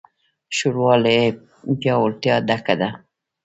ښوروا له پیاوړتیا ډکه ده.